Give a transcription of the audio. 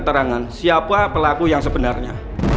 keterangan siapa pelaku yang sebenarnya